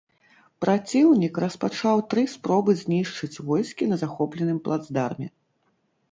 Праціўнік распачаў тры спробы знішчыць войскі на захопленым плацдарме.